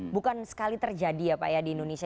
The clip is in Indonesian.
bukan sekali terjadi ya pak ya di indonesia